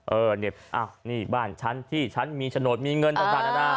เออเน็ตอ้าวนี่บ้านฉันที่ฉันมีฉโนตมีเงินต่าง